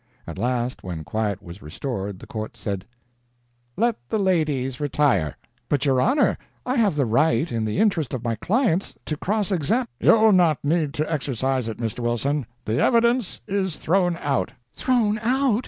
At last, when quiet was restored, the court said: "Let the ladies retire." "But, your honor, I have the right, in the interest of my clients, to cross exam " "You'll not need to exercise it, Mr. Wilson the evidence is thrown out." "Thrown out!"